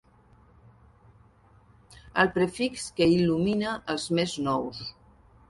El prefix que il·lumina els més nous.